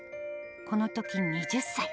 このとき２０歳。